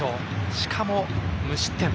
しかも無失点。